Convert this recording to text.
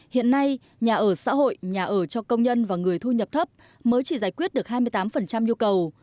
hiện nay nhà ở xã hội nhà ở cho công nhân và người thu nhập thấp mới chỉ giải quyết được hai mươi tám nhu cầu